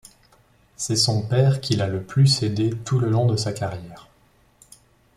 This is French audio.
C'est son père qui l'a le plus aidé tout le long de sa carrière.